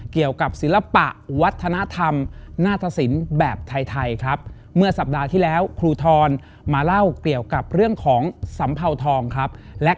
เกี่ยวกับศิลปะวัฒนธรรมนาฏศิลป์แบบไทยครับ